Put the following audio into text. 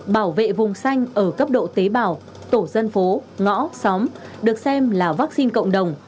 bảo vệ vùng xanh ở cấp độ tế bào tổ dân phố ngõ xóm được xem là vaccine cộng đồng